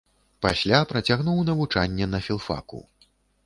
Пасля працягнуў навучанне на філфаку.